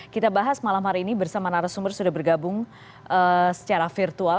kita bahas malam hari ini bersama narasumber sudah bergabung secara virtual